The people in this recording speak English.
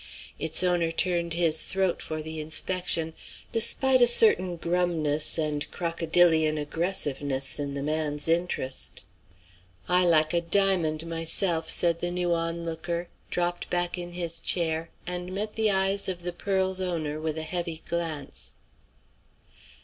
Its owner turned his throat for the inspection, despite a certain grumness and crocodilian aggressiveness in the man's interest. "I like a diamond, myself," said the new on looker, dropped back in his chair, and met the eyes of the pearl's owner with a heavy glance.